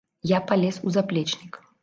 Я палез у заплечнік.